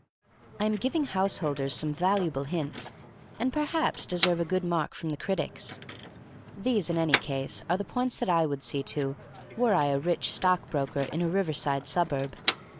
I am giving householders some valuable hints, and perhaps deserving a good mark from the critics. These, in any case, are the points that I would see to, were I a rich stockbroker in a riverside suburb.